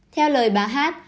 theo lời bà hát